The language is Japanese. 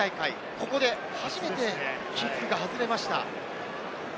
ここで初めてキックが外れました。